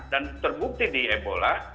dan terbukti di ebola